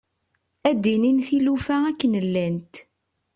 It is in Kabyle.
Ad d-inin tilufa akken llant.